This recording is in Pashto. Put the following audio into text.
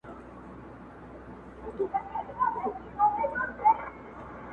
خپل مال تر سترگو لاندي ښه دئ.